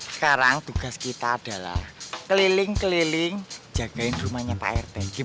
sekarang tugas kita adalah keliling keliling jagain rumahnya pak air tankim